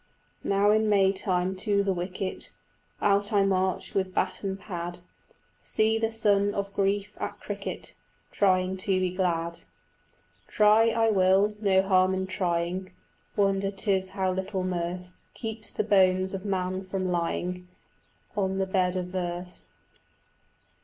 Now in May time to the wicket Out I march with bat and pad: See the son of grief at cricket Trying to be glad. Try I will; no harm in trying: Wonder 'tis how little mirth Keeps the bones of man from lying On the bed of earth.